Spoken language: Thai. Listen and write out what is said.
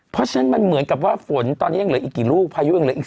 เพราะฉะนั้นมันเหมือนกับว่าฝนตอนนี้ยังเหลืออีกกี่ลูกพายุยังเหลืออีก